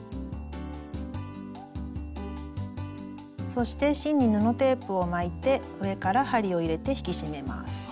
そして芯に布テープを巻いて上から針を入れて引き締めます。